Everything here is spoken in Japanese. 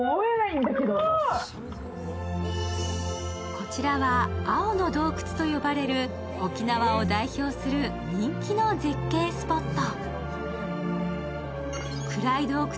こちらは青の洞窟と呼ばれる沖縄を代表する人気の絶景スポット。